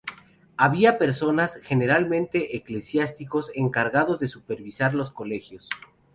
Había personas, generalmente eclesiásticos, encargados de supervisar los colegios.